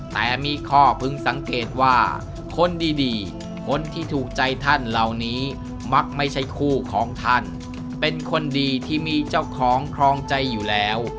แต่มีข้อพึงสังเกตว่าคนดีคนที่ถูกใจท่านเหล่านี้มักไม่ใช่คู่ของท่านเป็นคนดีที่มีเจ้าของครองใจอยู่แล้ว